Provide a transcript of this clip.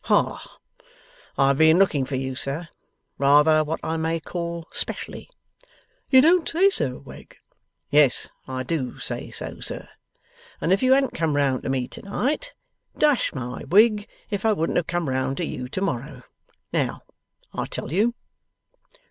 'Hah! I've been looking for you, sir, rather what I may call specially.' 'You don't say so, Wegg?' 'Yes, I do say so, sir. And if you hadn't come round to me tonight, dash my wig if I wouldn't have come round to you tomorrow. Now! I tell you!